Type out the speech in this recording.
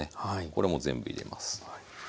これも全部入れます。